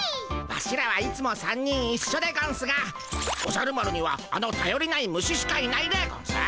ワシらはいつも３人いっしょでゴンスがおじゃる丸にはあのたよりない虫しかいないでゴンス。